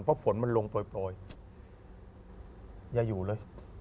เพราะฝนมันลงโปรยอย่าอยู่เลย